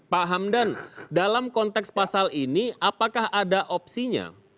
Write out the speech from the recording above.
pak hamdan dalam konteks pasal ini apakah ada opsinya